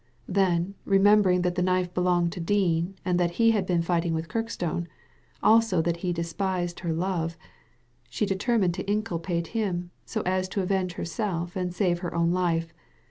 Then, remembering that the knife belonged to Dean, and that he had been fighting with Kirkstone, also that he despised her love, she determined to inculpate him, so as to avenge her self and save her own life.